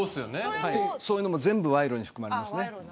そういうのも全部賄賂に含まれます。